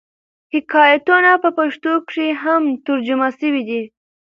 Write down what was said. حکایتونه په پښتو کښي هم ترجمه سوي دي.